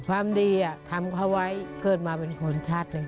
ความดีทำเขาไว้เกิดมาเป็นคนชาติหนึ่ง